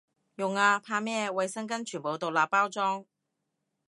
用啊，怕咩，衛生巾全部獨立包裝